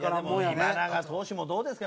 今永投手もどうですか？